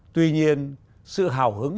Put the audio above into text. tuy nhiên sự hào hứng của các đơn vị